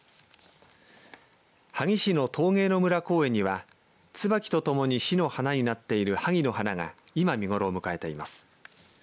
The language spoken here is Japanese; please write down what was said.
萩市の陶芸の村公園にはつばきとともに市の花になっているはぎの花が今見頃を迎えています。